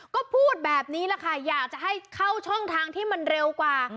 ก็พูดแบบนี้แหละค่ะอยากจะให้เข้าช่องทางที่มันเร็วกว่า